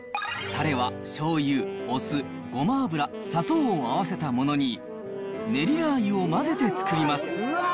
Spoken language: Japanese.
たれはしょうゆ、お酢、ごま油、砂糖を合わせたものに、練りラー油を混ぜで作ります。